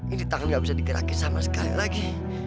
ini tangan nggak bisa digerakin sama sekali lagi